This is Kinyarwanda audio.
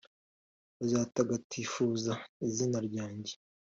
bazatagatifuza izina ryanjye,